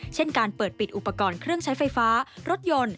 เช่นการเปิดปิดอุปกรณ์เครื่องใช้ไฟฟ้ารถยนต์